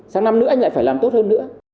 sáng năm nữa anh lại phải làm tốt hơn nữa